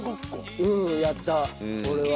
うんやった俺は。